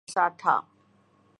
اگر ایسا تھا۔